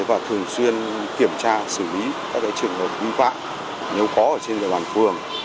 và thường xuyên kiểm tra xử lý các trường hợp vi phạm nếu có ở trên địa bàn phường